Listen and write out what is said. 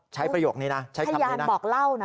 ประโยคนี้นะใช้คำนี้นะบอกเล่านะ